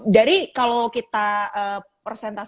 dari kalau kita persentasekan